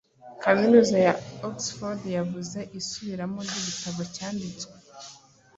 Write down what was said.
kaminuza ya Oxford yavuze Isubiramo ryigitabo cyanditswe